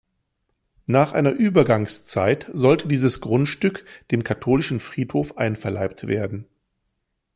Nach einer Übergangszeit sollte dieses Grundstück dem katholischen Friedhof einverleibt werden.